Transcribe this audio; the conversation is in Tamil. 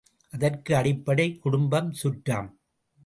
அதற்கு அடிப்படை குடும்பம், சுற்றம்!